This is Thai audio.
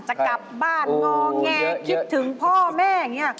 จะกลับบ้านงอแงคิดถึงพ่อแม่อย่างนี้